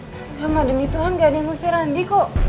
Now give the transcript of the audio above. sama demi tuhan gak ada yang ngusir andi kok